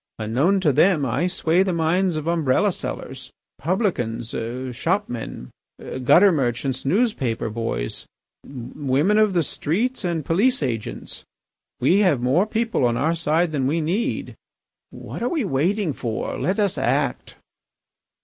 Unknown to them I sway the minds of umbrella sellers, publicans, shopmen, gutter merchants, newspaper boys, women of the streets, and police agents. We have more people on our side than we need. What are we waiting for? Let us act!"